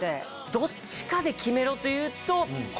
どっちかで決めろというと。